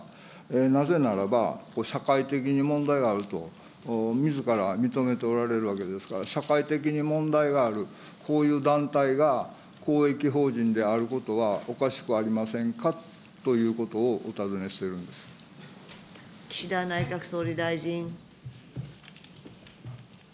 なぜならば、社会的に問題があるとみずから認めておられるわけですから、社会的に問題がある、こういう団体が、公益法人であることはおかしくありませんかということをお尋ねし岸田内閣総理大臣。